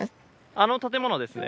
あの建物ですね。